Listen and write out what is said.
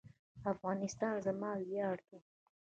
افغانستان زما ویاړ دی